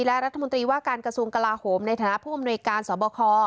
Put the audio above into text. และรัฐมนตรีว่าการกระทรวงกลาโหมในฐานะผู้อำนวยการสอบคอ